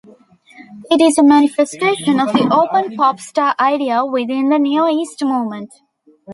It is a manifestation of the "open pop star" idea within the Neoist movement.